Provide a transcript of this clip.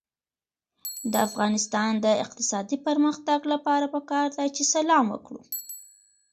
د افغانستان د اقتصادي پرمختګ لپاره پکار ده چې سلام وکړو.